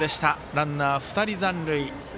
ランナー２人残塁。